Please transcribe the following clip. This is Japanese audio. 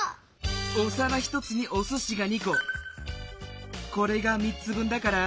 おさら１つにおすしが２ここれが３つ分だから。